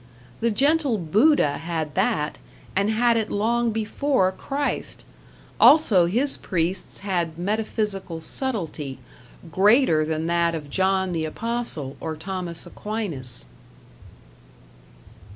The gentle Buddha had that, and had it long before Christ; also his priests had metaphysical subtlety, greater than that of John the Apostle or Thomas Aquinas.